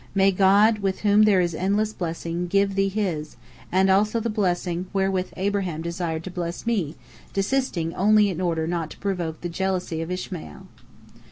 May God, with whom there is endless blessing, give thee His, and also the blessing wherewith Abraham desired to bless me, desisting only in order not to provoke the jealousy of Ishmael."